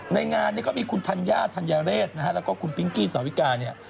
ในงานก็มีคุณธัญญาธัญญาเรศแล้วก็คุณปิงกี้สวิกาเนี่ย